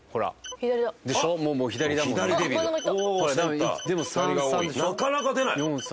なかなか出ない。